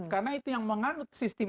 karena itu yang menganut sistem